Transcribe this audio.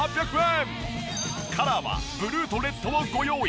カラーはブルーとレッドをご用意。